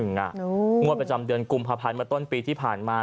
งวดประจำเดือนกุมภาพันธ์มาต้นปีที่ผ่านมา